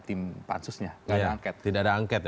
tim pansusnya tidak ada angket